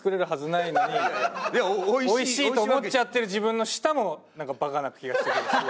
おいしいと思っちゃってる自分の舌もなんかバカな気がしてくるし。